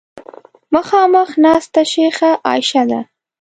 مخامخ ناسته شیخه عایشه ده.